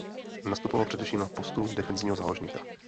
Nastupoval především na postu defenzivního záložníka.